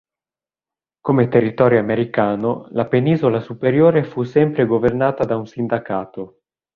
Come territorio americano, la penisola superiore fu sempre governata da un sindacato.